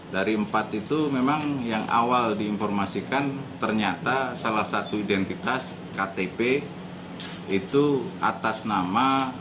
dari empat itu memang yang awal diinformasikan ternyata salah satu identitas ktp itu atas nama